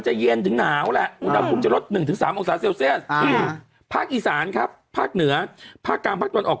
ไหนล่ะหนาว